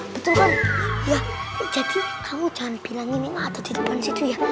betul kan ya jadi kamu jangan bilang ini ada di depan situ ya